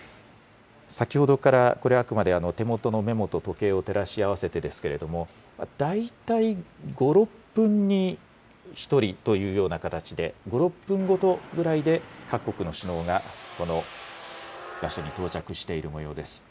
先ほどからこれ、あくまで手元のメモと時計を照らし合わせてですけれども、大体５、６分に１人というような形で、５、６分ごとぐらいで、各国の首脳がこの場所に到着しているもようです。